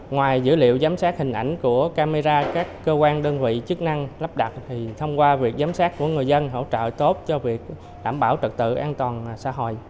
ngoài dữ liệu giám sát hình ảnh của camera các cơ quan đơn vị chức năng lắp đặt thì thông qua việc giám sát của người dân hỗ trợ tốt cho việc đảm bảo trật tự an toàn xã hội